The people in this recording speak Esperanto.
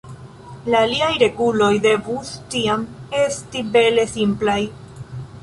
La aliaj reguloj devus tiam esti bele simplaj.